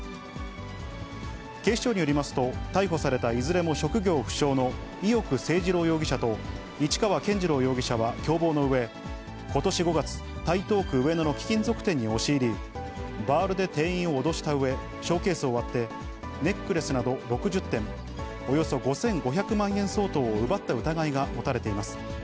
警視庁によりますと、逮捕されたいずれも職業不詳の伊能誠二郎容疑者と市川健二朗容疑者は共謀のうえ、ことし５月、台東区上野の貴金属店に押し入り、バールで店員を脅したうえ、ショーケースを割って、ネックレスなど６０点、およそ５５００万円相当を奪った疑いが持たれています。